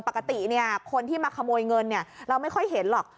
ปกติเนี่ยคนที่มาขโมยเงินเนี่ยเราไม่ค่อยเห็นหรอก